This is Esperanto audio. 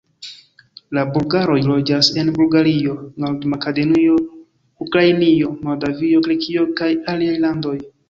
La bulgaroj loĝas en Bulgario, Nord-Makedonio, Ukrainio, Moldavio, Grekio kaj aliaj landoj.